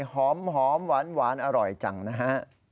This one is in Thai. หอมหวานอร่อยจังนะฮะ